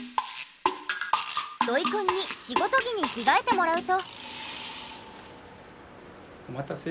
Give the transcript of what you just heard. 土井くんに仕事着に着替えてもらうと。